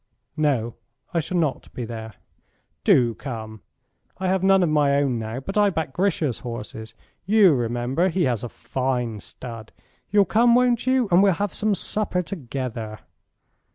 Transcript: "No, I shall not be there." "Do come. I have none of my own now, but I back Grisha's horses. You remember; he has a fine stud. You'll come, won't you? And we'll have some supper together."